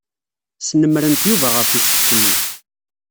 Snemmrent Yuba ɣef usefk-nni.